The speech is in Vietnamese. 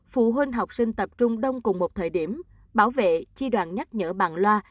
phụ huynh học sinh tập trung đông cùng một thời điểm bảo vệ chi đoàn nhắc nhở bằng loa